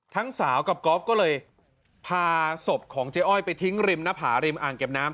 สาวกับก๊อฟก็เลยพาศพของเจ๊อ้อยไปทิ้งริมหน้าผาริมอ่างเก็บน้ำ